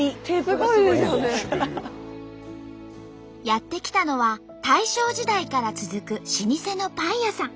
やって来たのは大正時代から続く老舗のパン屋さん。